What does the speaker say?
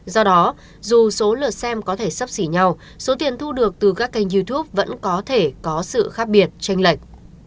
do đó dù số lượt xem có thể sấp xỉ nhau số tiền thu được từ các kênh youtube vẫn có thể có sự khác biệt tranh lệch